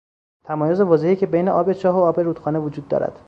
تمایز واضحی که بین آب چاه و آب رودخانه وجود دارد.